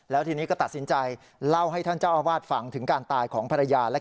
แล้วทีนี้ก็ตัดสินใจเล่าให้ท่านเจ้าอาวาสฟังถึงการตายของภรรยา